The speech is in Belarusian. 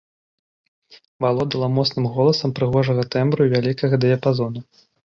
Валодала моцным голасам прыгожага тэмбру і вялікага дыяпазону.